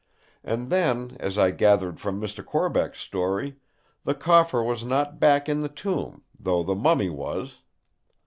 And then, as I gathered from Mr. Corbeck's story, the coffer was not back in the tomb, though the mummy was.